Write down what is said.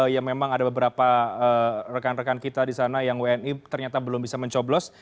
ya memang ada beberapa rekan rekan kita di sana yang wni ternyata belum bisa mencoblos